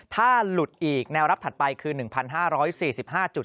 ถ้าหลุดอีกแนวรับถัดไปคือ๑๕๔๕